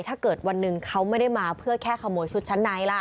ถ้าเกิดวันหนึ่งเขาไม่ได้มาเพื่อแค่ขโมยชุดชั้นในล่ะ